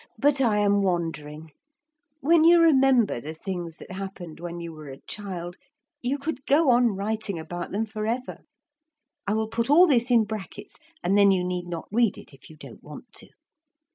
But I am wandering. When you remember the things that happened when you were a child, you could go on writing about them for ever. I will put all this in brackets, and then you need not read it if you don't want to.) [Illustration: Mr. Noah whispered ardently, 'Don't!'